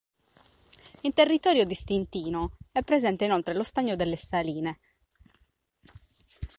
In territorio di Stintino è presente inoltre lo stagno delle Saline.